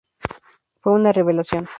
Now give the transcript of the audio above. Fue una revelación.